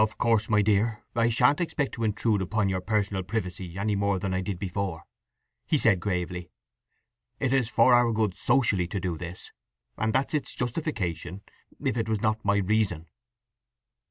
"Of course, my dear, I shan't expect to intrude upon your personal privacy any more than I did before," he said gravely. "It is for our good socially to do this, and that's its justification, if it was not my reason."